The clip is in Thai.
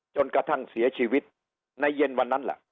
จนกระทั่งเสียชีวิตในเย็นวันนั้นแหละ